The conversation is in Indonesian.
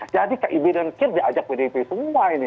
jadi kib dan kir diajak pd ip semua ini